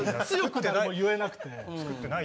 強く言えなくて。